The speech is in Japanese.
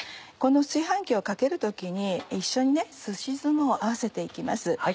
この炊飯器をかける時に一緒にすし酢も合わせて行きます。